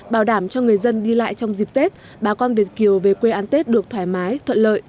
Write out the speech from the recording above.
bảo đảm cho người dân đi lại trong dịp tết bà con việt kiều về quê ăn tết được thoải mái thuận lợi